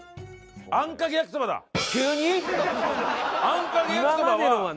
あんかけ焼きそばは。